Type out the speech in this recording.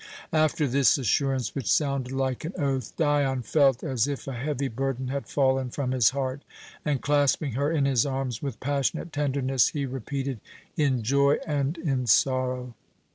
After this assurance, which sounded like an oath, Dion felt as if a heavy burden had fallen from his heart, and clasping her in his arms with passionate tenderness, he repeated, "In joy and in sorrow!"